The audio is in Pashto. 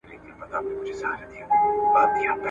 دا کیسه د خیر محمد د صبر او زغم کیسه ده.